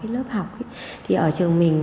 lớp học thì ở trường mình